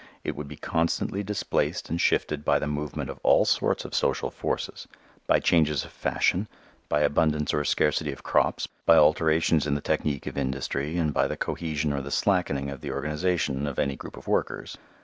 It would be constantly displaced and shifted by the movement of all sorts of social forces by changes of fashion, by abundance or scarcity of crops, by alterations in the technique of industry and by the cohesion or the slackening of the organization of any group of workers.